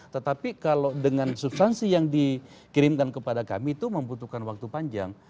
tetapi kalau dengan substansi yang dikirimkan kepada kami itu membutuhkan waktu panjang